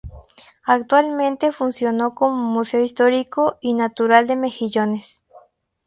Actualmente funciona como Museo histórico y Natural de Mejillones.